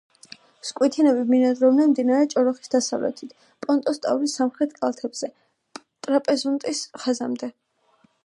სკვითინები ბინადრობდნენ მდინარე ჭოროხის დასავლეთით, პონტოს ტავრის სამხრეთ კალთებზე, ტრაპეზუნტის ხაზამდე.